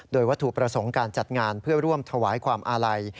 โดยวัตถุประสงค์การจัดงานเพื่อร่วมถวายความอาลัย